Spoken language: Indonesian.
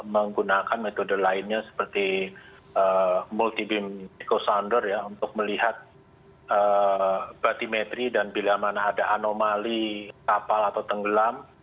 menggunakan metode lainnya seperti multi beam echo sounder ya untuk melihat batimetri dan bila mana ada anomali kapal atau tenggelam